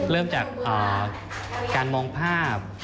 เริ่มจากการมองภาพ